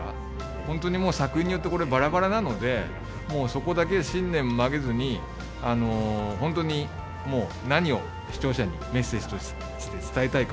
本当にもう作品によってこれバラバラなのでもうそこだけ信念曲げずに本当にもう何を視聴者にメッセージとして伝えたいか。